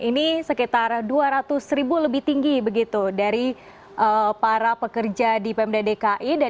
ini sekitar rp dua ratus lebih tinggi begitu dari para pekerja di pemda dki jakarta